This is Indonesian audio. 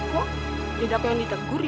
kok tidak yang ditakgur ya